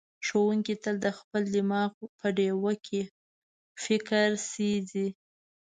ښوونکی تل د خپل دماغ په ډیوه کې فکر سېځي.